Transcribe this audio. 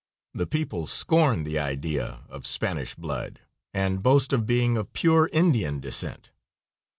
The people scorn the idea of Spanish blood, and boast of being of pure Indian descent.